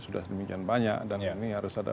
sudah demikian banyak dan ini harus ada